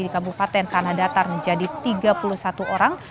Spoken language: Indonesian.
di kabupaten tanah datar menjadi tiga puluh satu orang